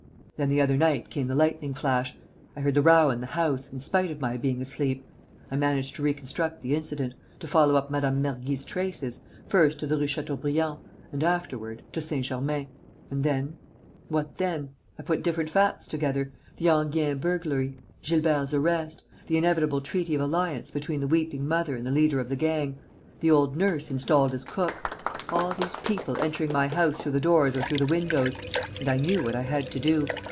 Then, the other night, came the lightning flash. I heard the row in the house, in spite of my being asleep. I managed to reconstruct the incident, to follow up Mme. Mergy's traces, first, to the Rue Chateaubriand and, afterward, to Saint Germain.... And then ... what then? I put different facts together: the Enghien burglary.... Gilbert's arrest ... the inevitable treaty of alliance between the weeping mother and the leader of the gang... the old nurse installed as cook ... all these people entering my house through the doors or through the windows.... And I knew what I had to do.